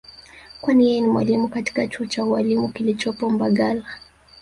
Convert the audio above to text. kwani yeye ni mwalimu katika chuo cha ualimu kilichopo mbagala